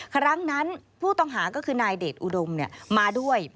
ครั้งนั้นผู้ต้องหาก็คือนายเดชอุดมมาด้วย